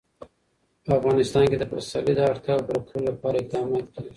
په افغانستان کې د پسرلی د اړتیاوو پوره کولو لپاره اقدامات کېږي.